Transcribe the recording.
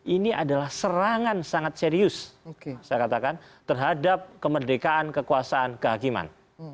ini adalah serangan sangat serius saya katakan terhadap kemerdekaan kekuasaan kehakiman